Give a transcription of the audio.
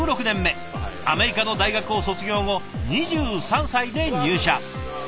アメリカの大学を卒業後２３歳で入社。